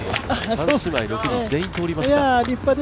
３姉妹６人全員通りました。